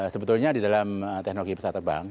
sebetulnya di dalam teknologi pesawat terbang